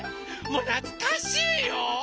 もうなつかしいよ！